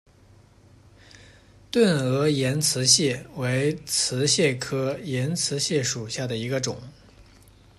钝额岩瓷蟹为瓷蟹科岩瓷蟹属下的一个种。